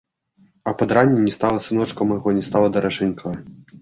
А пад ранне не стала сыночка майго, не стала даражэнькага.